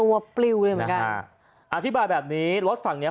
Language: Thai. ปลิวเลยเหมือนกันอ่าอธิบายแบบนี้รถฝั่งเนี้ย